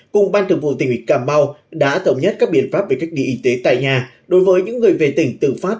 cùng ban thường vụ tỉnh ủy cà mau đã thống nhất các biện pháp về cách ly y tế tại nhà đối với những người về tỉnh từ phát